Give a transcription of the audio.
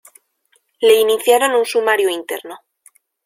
Le iniciaron un sumario interno.